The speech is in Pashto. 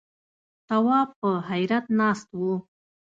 تواب په حيرت ناست و.